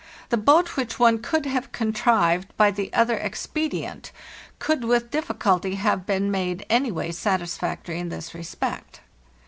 The boat which one could have contrived by the other expe dient could with difficulty have been made any way satisfactory in this respect.